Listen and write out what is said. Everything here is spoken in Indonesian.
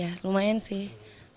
ya lumayan sih